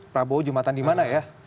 prabowo jumatan dimana ya